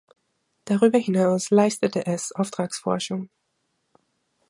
Darüber hinaus leistete es Auftragsforschung.